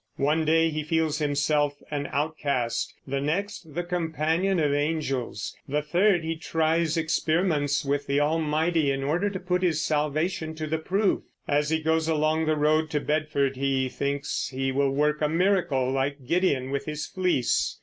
One day he feels himself an outcast; the next the companion of angels; the third he tries experiments with the Almighty in order to put his salvation to the proof. As he goes along the road to Bedford he thinks he will work a miracle, like Gideon with his fleece.